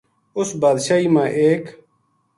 اُس بادشاہی ما ایک